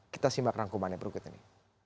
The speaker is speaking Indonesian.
kita simak rangkumannya berikut ini